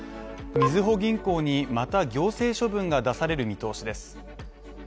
みずほ銀行にまた行政処分が出される見通しです。